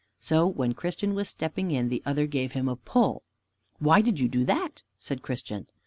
So when Christian was stepping in, the other gave him a pull. "Why do you do that?" said Christian.